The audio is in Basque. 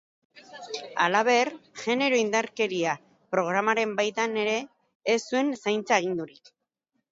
Halaber, genero indarkeria programaren baitan ere ez zuen zaintza agindurik.